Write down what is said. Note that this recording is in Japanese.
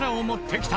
「きた！」